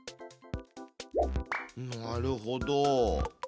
なるほど。